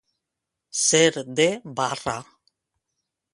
Ser de barra.